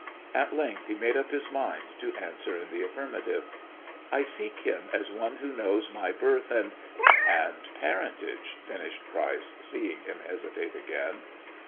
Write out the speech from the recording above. At length he made up his mind to answer in the afBrmative. " I seek him as one who knows my birth and " "And parentage," finished Pryce, seeing him hesitate again.